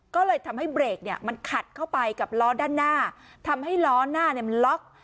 ก็เลยทำให้เบรกเนี่ยมันขัดเข้าไปกับล้อด้านหน้าทำให้ล้อหน้าเนี่ยมันล็อก